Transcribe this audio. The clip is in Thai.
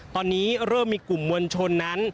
ตอนนี้เริ่มมีกลุ่มมวลชนนั้น